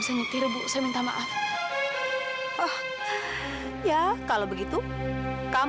sampai jumpa di video selanjutnya